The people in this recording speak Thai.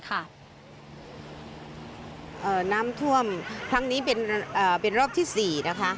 น้ำท่วมครั้งนี้เป็นรอบที่๔นะคะ